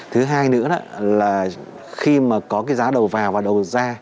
thứ hai nữa là khi mà có cái giá đầu vào và đầu ra